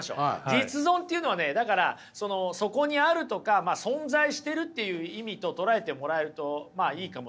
実存っていうのはねだからその「そこにある」とか「存在してる」という意味と捉えてもらえるとまあいいかもしれません。